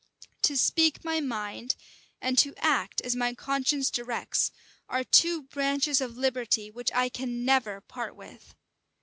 To speak my mind, and to act as my conscience directs, are two branches of liberty which I can never part with.